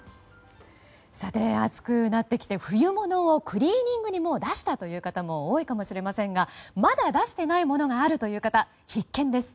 暑くなってきて、冬物をクリーニングに出した方も多いかもしれませんがまだ出していないものがあるという方、必見です。